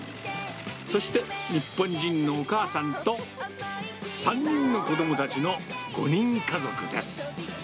そして、日本人のお母さんと、３人の子どもたちの５人家族です。